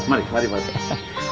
mari mari pak